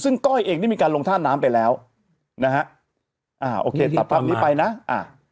ซึ่งก้อยเองได้มีการลงท่าน้ำไปแล้วนะฮะอ่าโอเคตัดภาพนี้ไปนะอ่า